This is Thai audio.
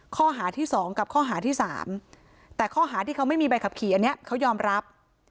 ข้อหาที่๒กับข้อหาที่๓แต่ข้อหาที่เขาไม่มีใบขับขี่อันนี้เขายอมรับ